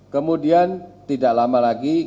kemudian tidak lama lagi